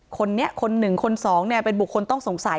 คนนี้คนหนึ่งคนสองเนี่ยเป็นบุคคลต้องสงสัย